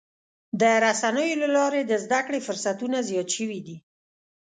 د رسنیو له لارې د زدهکړې فرصتونه زیات شوي دي.